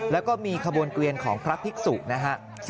แล้วก็มีขบวนเกวียนของพระภิกษุนะฮะ